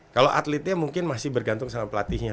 kalau atletnya mungkin masih bergantung sama pelatihnya